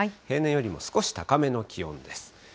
平年よりも少し高めの気温です。